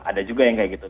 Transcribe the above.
ada juga yang kayak gitu